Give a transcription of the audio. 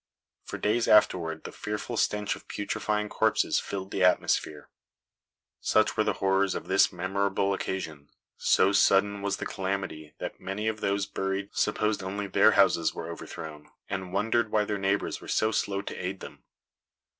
For days afterward the fearful stench of putrefying corpses filled the atmosphere. Such were the horrors of this memorable occasion. So sudden was the calamity that many of those buried supposed only their own houses were overthrown and wondered why their neighbors were so slow to aid them.